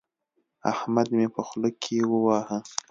احمد مې په خوله کې وواهه.